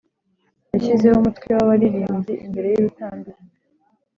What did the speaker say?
Yashyizeho umutwe w’abaririmbyi imbere y’urutambiro,